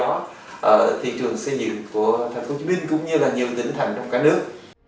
ở thị trường xây dựng của thành phố hồ chí minh cũng như là nhiều tỉnh thành trong cả nước